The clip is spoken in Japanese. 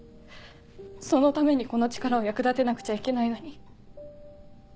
そのためにこの力を役立てなくちゃいけないのに。